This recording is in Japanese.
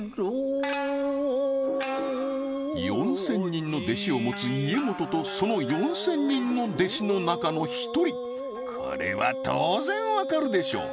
４０００人の弟子を持つ家元とその４０００人の弟子の中の１人これは当然わかるでしょう